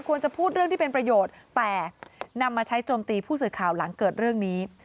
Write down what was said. พูดเรื่องที่เป็นประโยชน์แต่นำมาใช้โจมตีผู้สื่อข่าวหลังเกิดเรื่องนี้